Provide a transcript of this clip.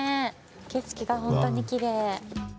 景色が本当にきれい。